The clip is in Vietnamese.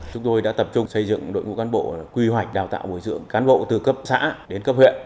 chúng tôi đã tập trung xây dựng đội ngũ cán bộ quy hoạch đào tạo bồi dưỡng cán bộ từ cấp xã đến cấp huyện